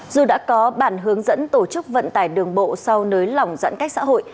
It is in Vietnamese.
dù đã có bản hướng dẫn tổ chức vận tải đường bộ sau nới lỏng giãn cách xã hội